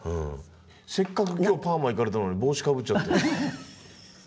せっかく今日パーマ行かれたのに帽子かぶっちゃって。